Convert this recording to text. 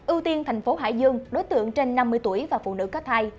ưu tiên thành phố hải dương đối tượng trên năm mươi tuổi và phụ nữ có thai